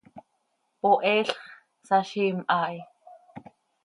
Poheel x, saziim haa hi.